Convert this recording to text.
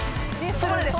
そうです